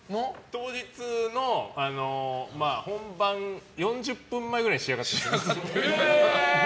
当日の本番４０分前ぐらいに仕上がった。